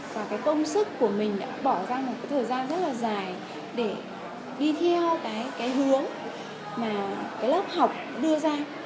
và cái công sức của mình đã bỏ ra một cái thời gian rất là dài để đi theo cái hướng mà cái lớp học đưa ra